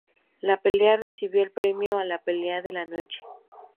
La pelea recibió el premio a la "Pelea de la Noche".